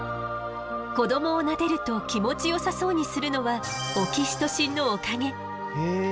子どもをなでると気持ちよさそうにするのはオキシトシンのおかげ。